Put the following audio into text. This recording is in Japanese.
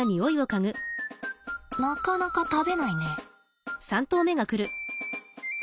なかなか食べないね。